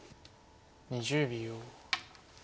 ２０秒。